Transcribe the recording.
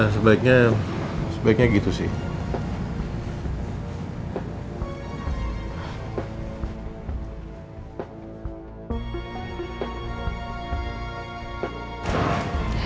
sebaiknya sebaiknya gitu sih